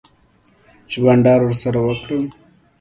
چی بانډار ورسره وکړم